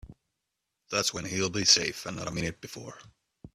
That's when he'll be safe and not a minute before.